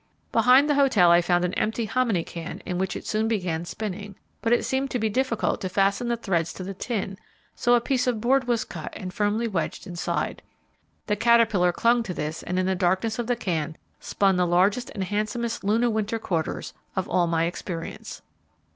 Behind the hotel I found an empty hominy can in which it soon began spinning, but it seemed to be difficult to fasten the threads to the tin, so a piece of board was cut and firmly wedged inside. The caterpillar clung to this and in the darkness of the can spun the largest and handsomest Luna winter quarters of all my experience.